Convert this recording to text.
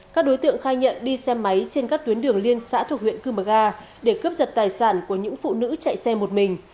các đối tượng khai nhận đi xe máy trên các tuyến đường liên xã thuộc huyện cư mờ ga để cướp giật tài sản của những phụ nữ chạy xe một mình